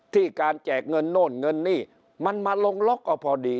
การแจกเงินโน่นเงินนี่มันมาลงล็อกก็พอดี